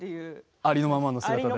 ありのままの姿を。